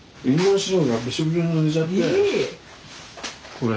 これ。